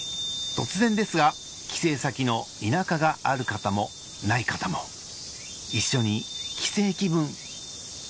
突然ですが帰省先の田舎がある方もない方も来たよ！